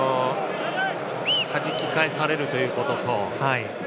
はじき返されるということと。